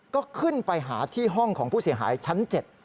ก็ขึ้นไปหาที่ห้องของผู้เสียหายชั้น๗